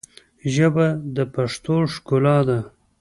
ژبه د پښتو ښکلا ده